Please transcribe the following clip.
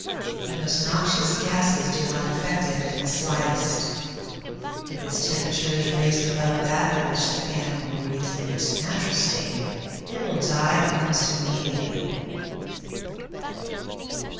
The most noxious gases do not affect it in the slightest. If its temperature is raised above that at which the animal breathed in its natural state it will die almost immediately.